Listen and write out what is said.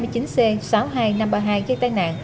ba mươi chín c sáu mươi hai nghìn năm trăm ba mươi hai gây tai nạn